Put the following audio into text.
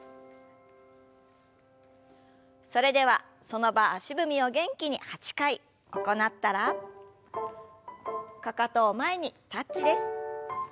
それではその場足踏みを元気に８回行ったらかかとを前にタッチです。